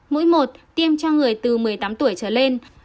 mũi một tiêm cho người từ một mươi tám tuổi trở lên